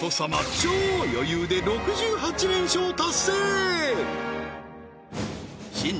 超余裕で６８連勝達成新年